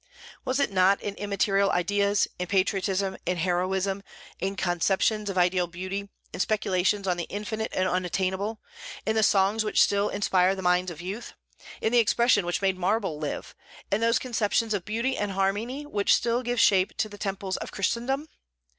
Was it not in immaterial ideas, in patriotism, in heroism, in conceptions of ideal beauty, in speculations on the infinite and unattainable, in the songs which still inspire the minds of youth, in the expression which made marble live, in those conceptions of beauty and harmony which still give shape to the temples of Christendom?